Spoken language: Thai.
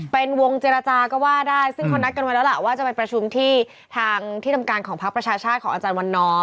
เป็นวงเจรจาก็ว่าได้ซึ่งเขานัดกันไว้แล้วล่ะว่าจะไปประชุมที่ทางที่ทำการของพักประชาชาติของอาจารย์วันนอร์